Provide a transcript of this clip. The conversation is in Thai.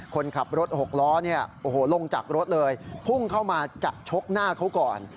คนขับรถหกล้อเนี่ยโอ้โหลงจากรถเลยพุ่งเข้ามาจะชกหน้าเขาก่อน